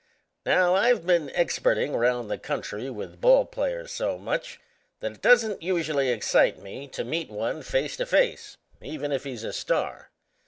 Now I've been experting round the country with ball players so much that it doesn't usually excite me to meet one face to face, even if he's a star.